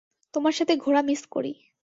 তোমার সাথে ঘোরা মিস করি।